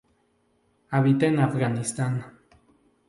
Habita en Afganistán.